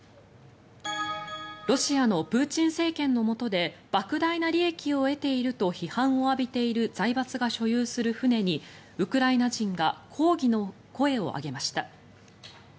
ロシアのプーチン政権のもとでばく大な利益を得ていると批判を浴びている財閥が所有する船にウクライナ人が抗議の声を上げました。